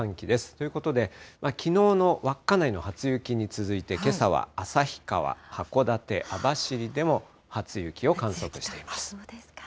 ということで、きのうの稚内の初雪に続いて、けさは旭川、函館、網走でも初雪を観測しています。